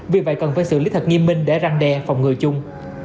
vì vậy cần phải xử lý thật nghiêm minh để răn đe phòng người chung